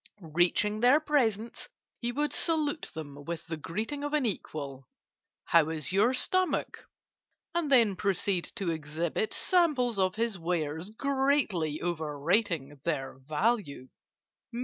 Reaching their presence, he would salute them with the greeting of an equal, 'How is your stomach?' and then proceed to exhibit samples of his wares, greatly overrating their value.